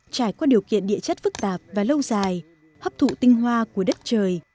trải qua điều kiện địa chất phức tạp và lâu dài hấp thụ tinh hoa của đất trời